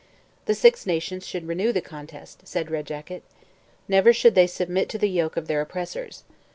The Six Nations should renew the contest, said Red Jacket. Never should they submit to the yoke of their oppressors.